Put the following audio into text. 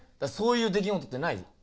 そういう出来事ってない？